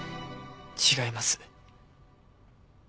違います。